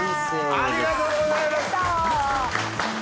ありがとうございます。